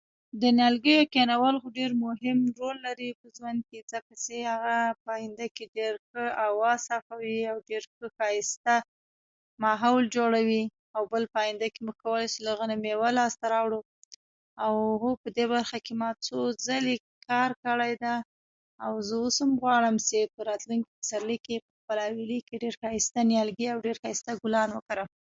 د نیالګیو کېنول خو ډېر مهم رول لري په ژوند کې، ځکه چې هغه په آینده کې ډېره ښه هوا صافوي او ډېره ښه، ښایسته ماحول جوړوي؛ او بل په آینده کې موږ کولای شو د هغه نه مېوه لاسته راوړو. او هو، په دې برخه کې ما څو ځله کار کړی دی او زه اوس هم غواړم چې په راتلونکي پسرلي کې [unintelligible] ډېر ښایسته نیالګي او ډېر ښایسته ګلان وکرم.